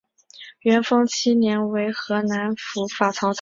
元丰七年为河南府法曹参军。